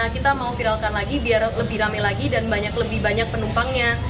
kita mau viralkan lagi biar lebih rame lagi dan lebih banyak penumpangnya